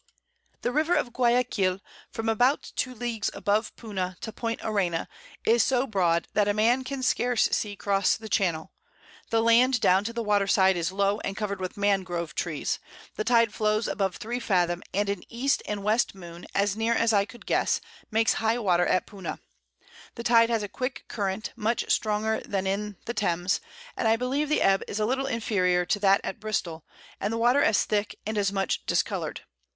The River of Guiaquil, from about 2 Leagues above Puna to Point Arena, is so broad, that a Man can scarce see cross the Channel; the Land down to the Water side, is low and cover'd with Mangrove Trees; the Tide flows above 3 Fathom, and an East and West Moon, as near as I could guess, makes High water at Puna. The Tide has a quick Current, much stronger than in the Thames, and I believe the Ebb is little inferior to that at Bristol, and the Water as thick, and as much discolour'd.